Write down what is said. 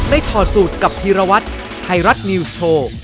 ได้ถอดสูตรกับฮีรวัตไทรัตนิวส์โชว์